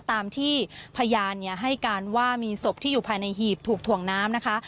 ตามที่พยานให้การว่ามีศพที่อยู่ภายในหีบถูกถ่วงน้ำนะคะ